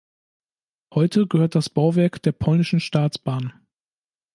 Heute gehört das Bauwerk der polnischen Staatsbahn.